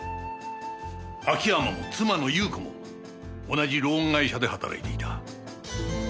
秋山も妻の裕子も同じローン会社で働いていた。